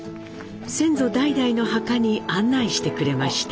先祖代々の墓に案内してくれました。